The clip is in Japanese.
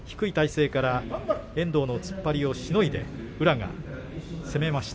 低い体勢から遠藤の突っ張りをしのいでこれは攻めました。